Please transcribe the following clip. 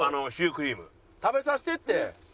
食べさせてって！